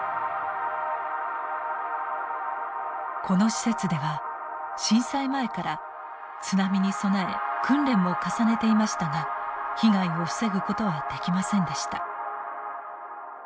この施設では震災前から津波に備え訓練も重ねていましたが被害を防ぐことはできませんでした。